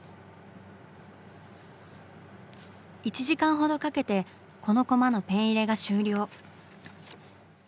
１時間ほどかけてこのコマのペン入れが終了。